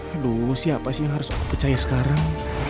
aduh siapa sih yang harus aku percaya sekarang